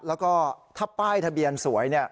แล้วก็ถ้าป้ายทะเบียนสวย